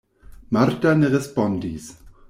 Marta ne respondis.